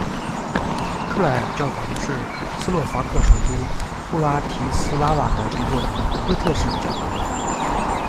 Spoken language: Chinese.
克莱尔教堂是斯洛伐克首都布拉提斯拉瓦的一座哥特式教堂。